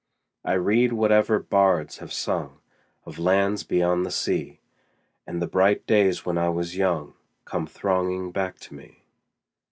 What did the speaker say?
I read whatever bards have sung Of lands beyond the sea, 10 And the bright days when I was young Come thronging back to me.